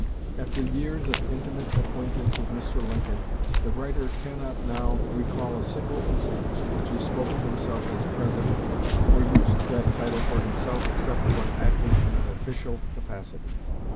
After years of intimate acquaintance with Mr. Lincoln, the writer cannot now recall a single instance in which he spoke of himself as President, or used that title for himself except when acting in an official capacity.